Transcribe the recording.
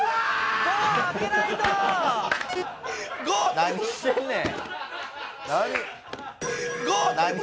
何してんねん。